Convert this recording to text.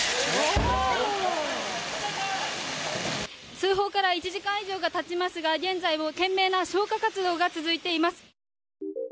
通報から１時間以上が経ちますが現在も懸命な消火活動が続いています。